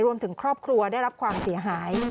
รวมถึงครอบครัวได้รับความเสียหาย